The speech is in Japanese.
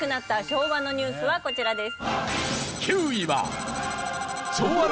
昭和のニュースはこちらです。